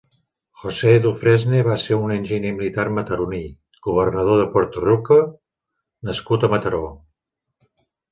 José Dufresne va ser un enginyer militar mataroní, governador de Puerto Rico nascut a Mataró.